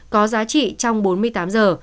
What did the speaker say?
có giá trị trong bốn mươi tám giờ